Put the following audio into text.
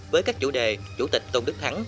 với các chủ đề chủ tịch tôn đức thắng